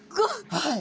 はい。